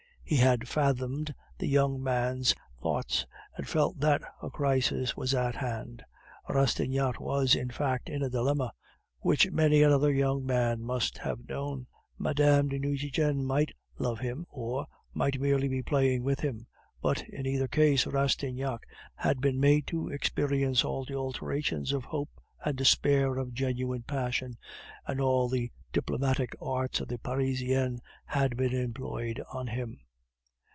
He had fathomed the young man's thoughts, and felt that a crisis was at hand. Rastignac was, in fact, in a dilemma, which many another young man must have known. Mme. de Nucingen might love him, or might merely be playing with him, but in either case Rastignac had been made to experience all the alternations of hope and despair of genuine passion, and all the diplomatic arts of a Parisienne had been employed on him.